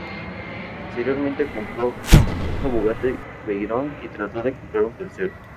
Posteriormente compró otro Bugatti Veyron, y trató de comprar un tercero.